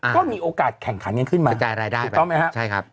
ก็มีโอกาสแข่งขันกันขึ้นมาถูกต้องไหมครับใช่ครับ